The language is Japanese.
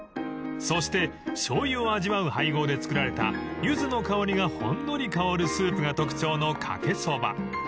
［そしてしょうゆを味わう配合で作られたユズの香りがほんのり香るスープが特徴のかけそば］